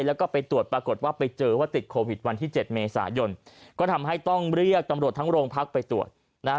แล้วก็ไปตรวจปรากฏว่าไปเจอว่าติดโควิดวันที่เจ็ดเมษายนก็ทำให้ต้องเรียกตำรวจทั้งโรงพักไปตรวจนะฮะ